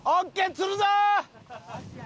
釣るぞ！